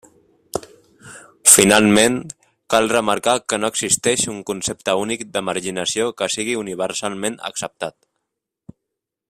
Finalment, cal remarcar que no existeix un concepte únic de marginació que sigui universalment acceptat.